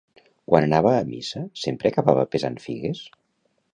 Quan anava a missa sempre acabava pesant figues